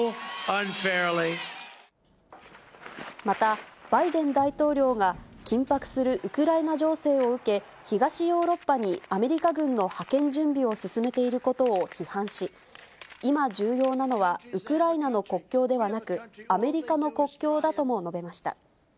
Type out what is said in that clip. また、バイデン大統領が緊迫するウクライナ情勢を受け、東ヨーロッパにアメリカ軍の派遣準備を進めていることを批判し、今重要なのは、ウクライナの国境ではなく、アメリカの国境だとも述べました。